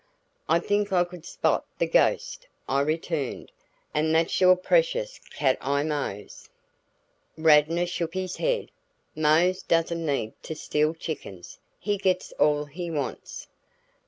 "I think I could spot the ghost," I returned. "And that's your precious Cat Eye Mose." Radnor shook his head. "Mose doesn't need to steal chickens. He gets all he wants."